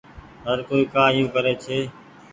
هر ڪوئي ڪآ ايو ڪري ڇي۔